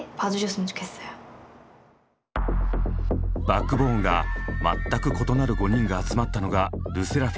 バックボーンが全く異なる５人が集まったのがＬＥＳＳＥＲＡＦＩＭ。